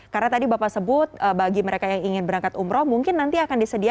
karena tadi bapak sebut bagi mereka yang ingin berangkat umroh mungkin nanti akan disediakan